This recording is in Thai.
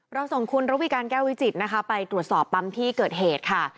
ส่งคุณระวิการแก้ววิจิตรนะคะไปตรวจสอบปั๊มที่เกิดเหตุค่ะ